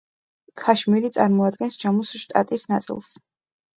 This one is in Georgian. ქაშმირი წარმოადგენს ჯამუს შტატის ნაწილს.